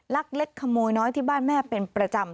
ลักเล็กขโมยน้อยที่บ้านแม่เป็นประจำ